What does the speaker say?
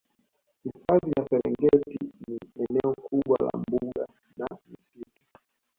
Hifadhi ya Serengeti ni eneo kubwa la mbuga na misitu